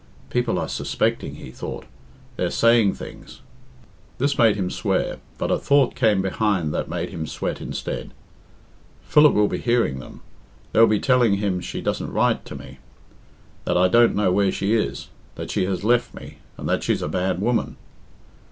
"People are suspecting," he thought. "They're saying things." This made him swear, but a thought came behind that made him sweat instead. "Philip will be hearing them. They'll be telling him she doesn't write to me; that I don't know where she is; that she has left me, and that she's a bad woman."